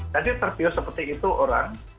jadi terbius seperti itu orang